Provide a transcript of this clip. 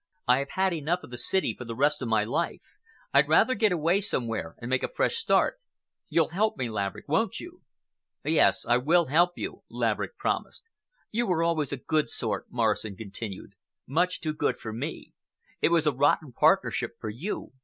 "I have had enough of the city for the rest of my life. I'd rather get away somewhere and make a fresh start. You'll help me, Laverick, won't you?" "Yes, I will help you," Laverick promised. "You were always a good sort," Morrison continued, "much too good for me. It was a rotten partnership for you.